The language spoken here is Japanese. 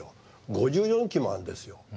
５４基もあるんですよ。